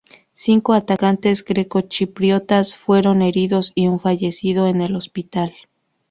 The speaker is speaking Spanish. Cinco atacantes grecochipriotas fueron heridos y uno falleció en el hospital.